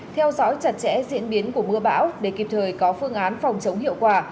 theo dõi chặt chẽ diễn biến của mưa bão để kịp thời có phương án phòng chống hiệu quả